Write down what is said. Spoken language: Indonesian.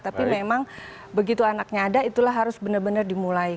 tapi memang begitu anaknya ada itulah harus benar benar dimulai